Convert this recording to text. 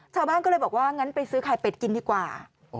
ชาวบ้านก็เลยบอกว่างั้นไปซื้อไข่เป็ดกินดีกว่า